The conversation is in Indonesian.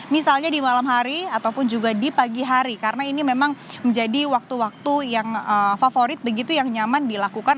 misalnya di malam hari ataupun juga di pagi hari karena ini memang menjadi waktu waktu yang favorit begitu yang nyaman dilakukan